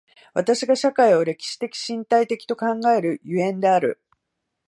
私が社会を歴史的身体的と考える所以である。